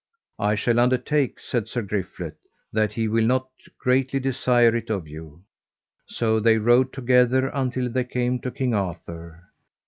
I shall undertake, said Sir Griflet, that he will not greatly desire it of you. So they rode together until they came to King Arthur.